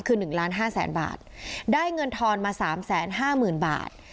คือหนึ่งล้านห้าแสนบาทได้เงินทอนมาสามแสนห้าหมื่นบาท